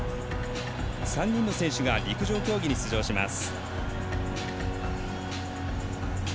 ３人の選手が陸上競技に出場します。